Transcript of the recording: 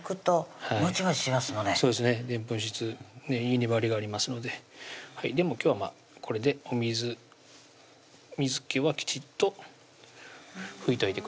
でんぷん質いい粘りがありますので今日はこれでお水水気はきちっと拭いといてください